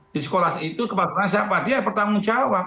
di sekolah itu kebetulan siapa dia bertanggung jawab